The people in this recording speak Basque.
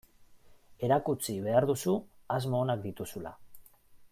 Erakutsi behar duzu asmo onak dituzula.